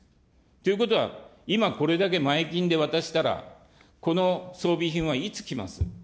ということは、今これだけ前金で渡したら、この装備品はいつ来ます。